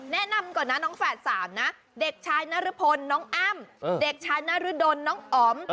แนะนำก่อนนะน้องแฝด๓นะเด็กชายนรพลน้องอ้ำเด็กชายนรดลน้องอ๋อม